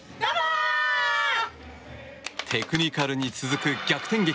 テクニカルに続く逆転劇。